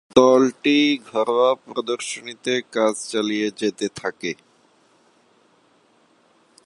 দলটি ঘরোয়া প্রদর্শনীতে কাজ চালিয়ে যেতে থাকে।